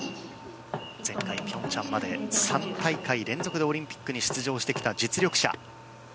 前回ピョンチャンまで、３大会連続でオリンピックに出場してきた実力者。